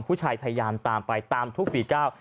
ผู้ชายพยายามตามไปตามทุกฝีก้าว